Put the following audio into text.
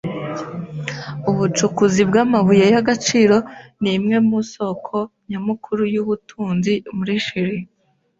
Ubucukuzi bw'amabuye y'agaciro ni imwe mu soko nyamukuru y'ubutunzi muri Chili.